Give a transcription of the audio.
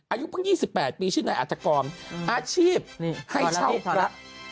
อายุเพิ่ง๒๘ปีชื่อนายอัฐกรอาชีพให้เช่าพระ